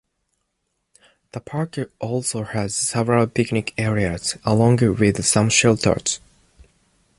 The park also has several picnic areas, along with some shelters.